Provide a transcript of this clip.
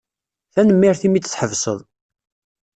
Tanemmirt imi d-tḥebseḍ.